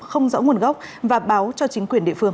không rõ nguồn gốc và báo cho chính quyền địa phương